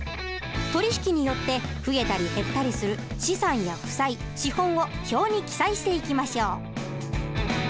取り引きによって増えたり減ったりする資産や負債資本を表に記載していきましょう。